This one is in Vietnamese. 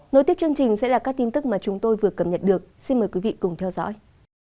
nối tiếp chương trình sẽ là các tin tức mà chúng tôi vừa cập nhật được xin mời quý vị cùng theo dõi